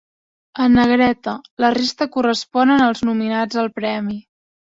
En negreta, la resta corresponen als nominats al premi.